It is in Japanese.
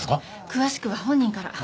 詳しくは本人から。